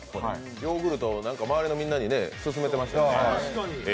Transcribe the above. ヨーグルトを周りのみんなに勧めてましたよね。